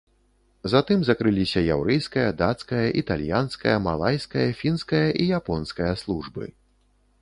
Затым закрыліся яўрэйская, дацкая, італьянская, малайская, фінская і японская службы.